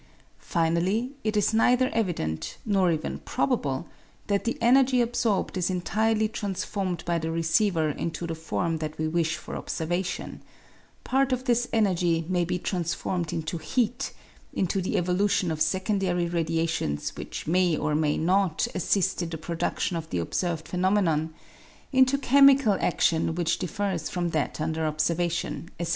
Finally, it is neither evident, nor even probable, that the energy absorbed is entirely transformed by the receiver into the form that we wish for observation ; part of this enerjy may be transformed into heat, into the evolution of secondary radiations which may or may not assist in the production of the observed phenomenon, into chemical adlion which diff'ers from that under obser vation, &c.